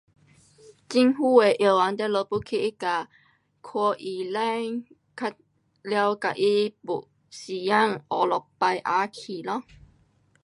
政府的药房，你们要去那角看医生，较，了跟他 book 时间，下轮排下去咯。